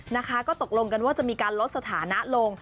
นะคะก็ตกลงกันว่าจะมีการลดสถานะลง